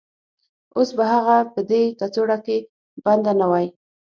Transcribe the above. اوس به هغه په دې کڅوړه کې بنده نه وای